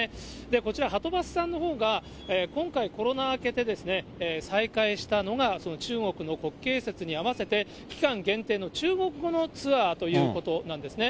こちら、はとバスさんのほうが、今回コロナ明けで、再開したのが中国の国慶節にあわせて、期間限定の中国語のツアーということなんですね。